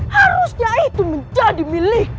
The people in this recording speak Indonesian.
harusnya itu menjadi milikku